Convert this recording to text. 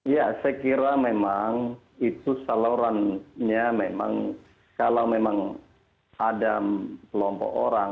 ya saya kira memang itu salurannya memang kalau memang ada kelompok orang